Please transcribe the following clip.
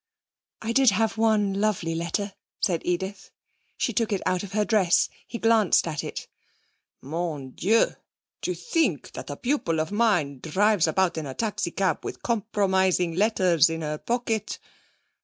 'I did have one lovely letter,' said Edith. She took it out of her dress. He glanced at it. 'Mon Dieu! To think that a pupil of mine drives about in a taxi cab with compromising letters in her pocket!